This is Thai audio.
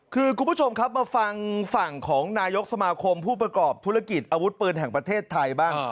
คือคุณผู้ชมครับมาฟังฝั่งของนายกสมาคมผู้ประกอบธุรกิจอาวุธปืนแห่งประเทศไทยบ้าง